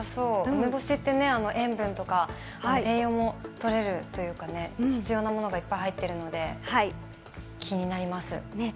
梅干しって塩分とか栄養も取れるというか、必要なものがいっぱい入ってるので気になります。